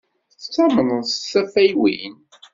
Tattamneḍ s tafeywin?